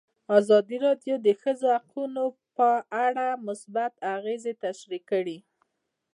ازادي راډیو د د ښځو حقونه په اړه مثبت اغېزې تشریح کړي.